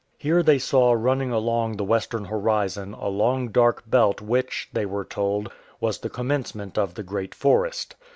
Here they saw running along the 173 VEGETABLE AND ANIMAL LIFE western horizon a long dark belt which, they were told, was the commencement of the Great Forest.